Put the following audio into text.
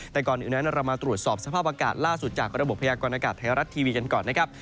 แต่ก่อนอื่นนั้นเรามาตรวจสอบสภาพอากาศล่าสุดจากระบบพยากรณากาศไทยรัฐทีวีกันก่อนนะครับ